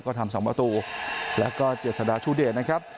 ก็ทำ๒ประตูแล้วก็เจษฎาชูเดชนะครับ